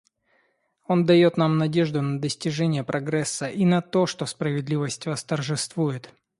Он дает нам надежду на достижение прогресса и на то, что справедливость восторжествует.